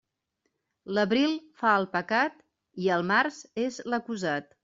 L'abril fa el pecat i el març és l'acusat.